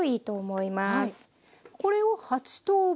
これを８等分。